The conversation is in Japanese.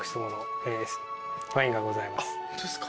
ホントですか？